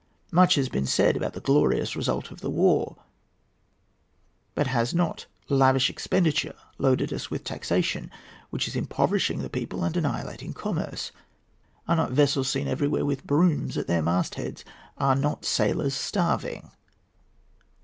Much has been said about the glorious result of the war; but has not lavish expenditure loaded us with taxation which is impoverishing the people and annihilating commerce? Are not vessels seen everywhere with brooms at their mastheads? Are not sailors starving?